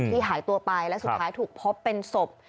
ถูกหายตัวไปและถูกพบเป็นสบ